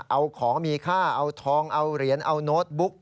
เอาของมีค่าเอาทองเอาเหรียญเอาโน้ตบุ๊ก